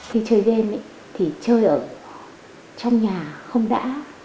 khi chơi game thì chơi ở trong nhà không đã